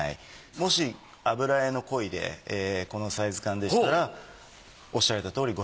もし油絵のコイでこのサイズ感でしたらおっしゃられたとおり５００万以上。